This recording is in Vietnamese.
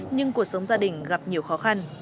nhưng cuộc sống gia đình gặp nhiều khó khăn